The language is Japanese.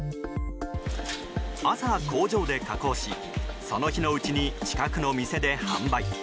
朝、工場で加工しその日のうちに近くの店で販売。